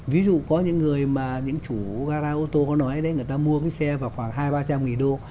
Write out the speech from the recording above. ví dụ có những người mà những chủ gara ô tô có nói đấy người ta mua cái xe vào khoảng hai trăm linh ba trăm linh nghìn đô